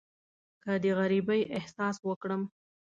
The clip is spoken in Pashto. که د غریبۍ احساس وکړم.